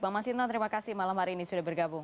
bang mas hinton terima kasih malam hari ini sudah bergabung